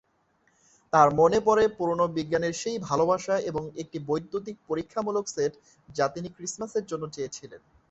তার মনে পড়ে পুরনো বিজ্ঞানের বই ভালবাসা এবং একটি বৈদ্যুতিক পরীক্ষামূলক সেট যা তিনি ক্রিসমাসের জন্য চেয়েছিলেন।